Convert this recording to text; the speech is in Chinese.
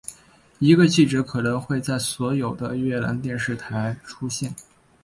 一个记者可能会在所有的越南电视台出现。